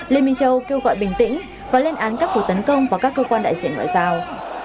liên minh châu kêu gọi bình tĩnh và lên án các cuộc tấn công vào các cơ quan đại diện ngoại giao